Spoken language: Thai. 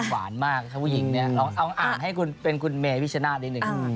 หวานมากถ้าผู้หญิงเนี่ยลองเอาอ่านให้คุณเป็นคุณเมพิชนาธิหนึ่ง